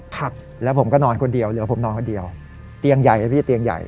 ครับแล้วผมก็นอนคนเดียวเหลือผมนอนคนเดียวเตียงใหญ่นะพี่เตียงใหญ่